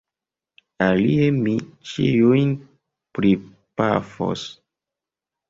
Alie mi ĉiujn pripafos!